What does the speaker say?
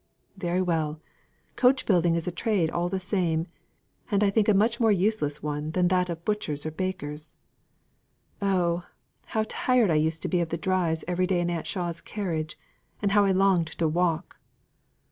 "Very well. Coach building is a trade all the same, and I think a much more useless one than that of butchers or bakers. Oh! how tired I used to be of the drives every day in Aunt Shaw's carriage, and how I longed to walk!"